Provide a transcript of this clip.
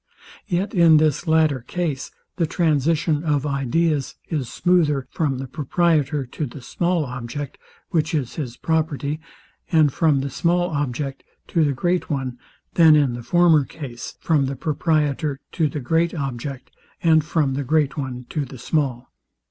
Yet in this latter case the transition of ideas is smoother from the proprietor to the small object, which is his property, and from the small object to the great one, than in the former case from the proprietor to the great object, and from the great one to the small.